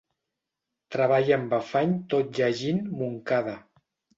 Treballi amb afany tot llegint Moncada.